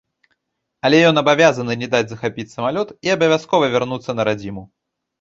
Але ён абавязаны не даць захапіць самалёт і абавязкова вярнуцца на радзіму.